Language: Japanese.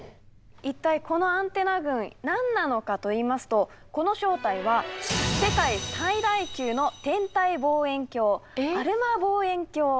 一体このアンテナ群何なのかといいますとこの正体は世界最大級の天体望遠鏡アルマ望遠鏡なんです。